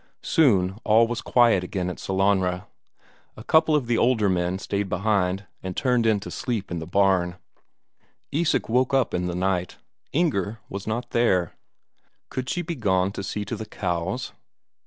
Soon all was quiet again at Sellanraa; a couple of the older men stayed behind, and turned in to sleep in the barn. Isak woke up in the night Inger was not there. Could she be gone to see to the cows?